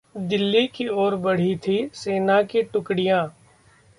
'दिल्ली की ओर बढ़ी थीं सेना की टुकड़ियां’